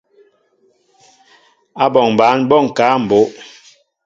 Áɓɔŋ ɓăn ɓɔ ŋkă a mbóʼ.